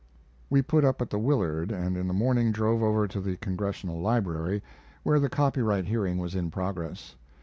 We put up at the Willard, and in the morning drove over to the Congressional Library, where the copyright hearing was in progress.